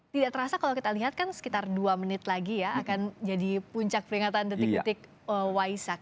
tidak terasa kalau kita lihat kan sekitar dua menit lagi ya akan jadi puncak peringatan detik detik waisak